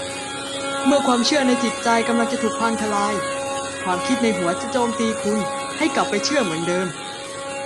เมื่อความเชื่อในจิตใจกำลังจะถูกพังทะลาย ความคิดในหัวจะโจมตีคุณให้กลับไปเชื่อเหมือนเดิม